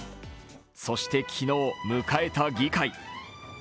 そして昨日迎えた議会。